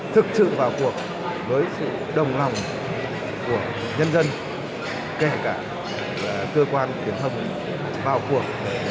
thực sự vào cuộc với sự đồng hồng của nhân dân kể cả cơ quan tiến thâm vào cuộc